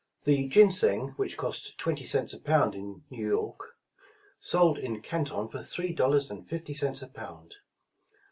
'' The ginseng, which cost twenty cents a pound in New York, sold in Canton for three dollars and fifty cents a pound.